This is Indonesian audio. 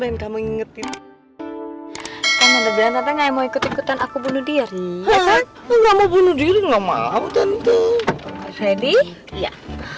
ngomong ngomong ngikutin aku bunuh diri enggak mau bunuh diri enggak mau tante ready ya